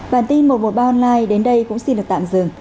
bản tin một trăm một mươi ba online đến đây cũng xin được tạm dừng